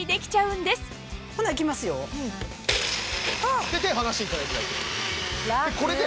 そこに手離していただいて大丈夫。